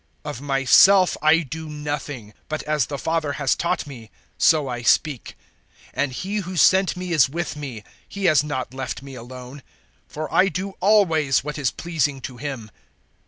Of myself I do nothing; but as the Father has taught me, so I speak. 008:029 And He who sent me is with me. He has not left me alone: for I do always what is pleasing to Him."